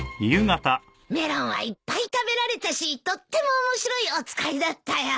メロンはいっぱい食べられたしとっても面白いお使いだったよ。